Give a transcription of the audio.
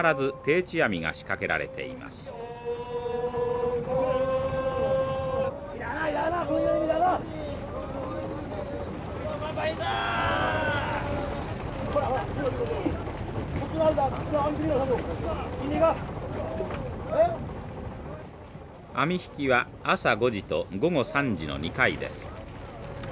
網引きは朝５時と午後３時の２回です。